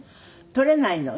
取れないの？